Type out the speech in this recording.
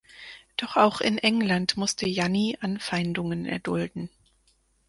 Doch auch in England musste Janni Anfeindungen erdulden.